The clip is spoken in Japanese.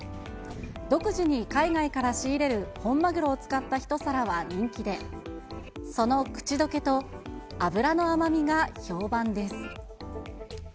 独自に海外から仕入れる本マグロを使った一皿は人気で、その口どけと脂の甘みが評判です。